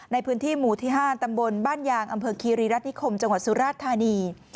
ในพื้นที่หมู่ที่๕ตำบลบ้านยางอำเภอคีรีรัฐนิคมจังหวัดสุราชธานี